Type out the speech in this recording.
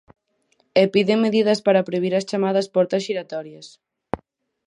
E piden medidas para prohibir as chamadas portas xiratorias.